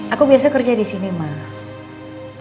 aku biasa kerja disini emang